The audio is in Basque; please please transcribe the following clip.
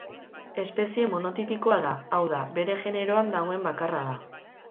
Espezie monotipikoa da, hau da, bere generoan dagoen bakarra da.